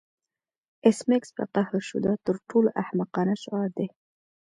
ایس میکس په قهر شو دا تر ټولو احمقانه شعار دی